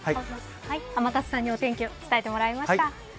天達さんにお天気を伝えてもらいました。